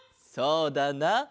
そうだな。